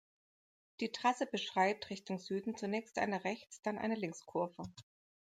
Die Trasse beschreibt, Richtung Süden, zunächst eine Rechts-, dann eine Linkskurve.